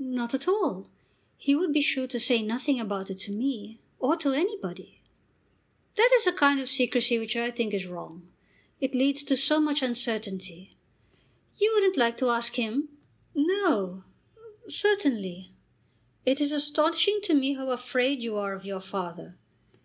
"Not at all. He would be sure to say nothing about it to me, or to anybody." "That is a kind of secrecy which I think wrong. It leads to so much uncertainty. You wouldn't like to ask him?" "No; certainly." "It is astonishing to me how afraid you are of your father.